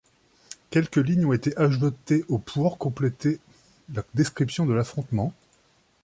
Quelques lignes ont été ajoutées au pour compléter la description de l'affrontement.